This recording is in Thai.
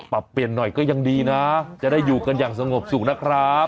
ปรับเปลี่ยนหน่อยก็ยังดีนะจะได้อยู่กันอย่างสงบสุขนะครับ